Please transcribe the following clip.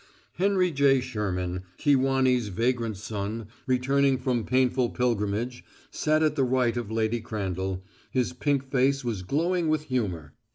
Henry J. Sherman, Kewanee's vagrant son returning from painful pilgrimage, sat at the right of Lady Crandall; his pink face was glowing with humor.